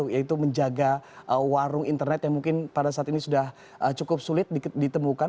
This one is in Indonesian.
yaitu menjaga warung internet yang mungkin pada saat ini sudah cukup sulit ditemukan